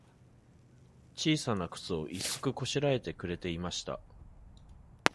ちいさなくつを、一足こしらえてくれていました。